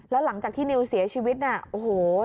แล้วหลังจากที่นิวเสียชีวิตน่ะโอ้โห